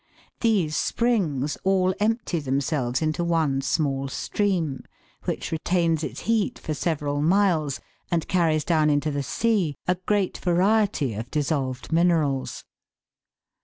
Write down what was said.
These springs all empty themselves into one small stream, which retains its heat for several miles and carries down into the sea a great variety of dissolved minerals.